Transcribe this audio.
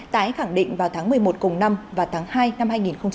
tái khẳng định vào tháng một mươi một cùng năm và tháng hai năm hai nghìn hai mươi